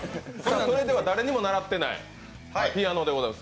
それでは誰にも習っていないピアノでございます。